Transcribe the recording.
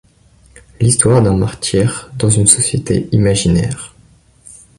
L'histoire d'un martyr dans une société imaginaire.